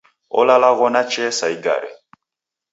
Olalaghona chee sa igare.